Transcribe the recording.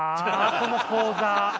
この講座。